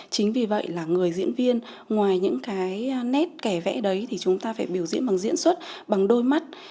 chính vì vậy là người diễn viên ngoài những cái nét kẻ vẽ đấy thì chúng ta phải biểu diễn bằng diễn xuất bằng đôi mắt